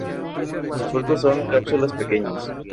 Los frutos son cápsulas pequeñas.